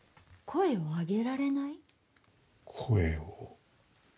声を上げられない。